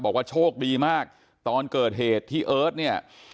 บอกว่าโชคดีมากตอนเกิดเหตุที่เอิร์ทเนี่ย